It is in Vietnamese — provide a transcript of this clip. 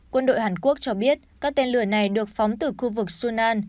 quân đội hàn quốc cho biết các tên lửa này được phóng từ khu vực sunan